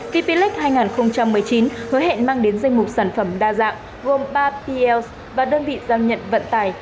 vplec hai nghìn một mươi chín hứa hẹn mang đến danh mục sản phẩm đa dạng gồm ba pls và đơn vị giao nhận vận tải